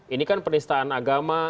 ini kan penistaan agama